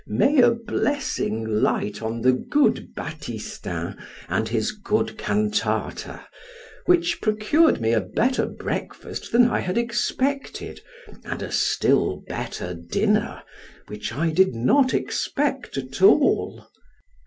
May a blessing light on the good Batistin and his good cantata, which procured me a better breakfast than I had expected, and a still better dinner which I did not expect at all!